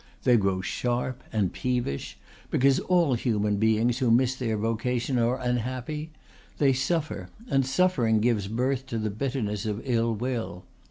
They grow sharp and peevish because all human beings who miss their vocation are unhappy; they suffer, and suffering gives birth to the bitterness of ill will.